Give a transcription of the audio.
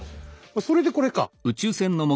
それでこれか。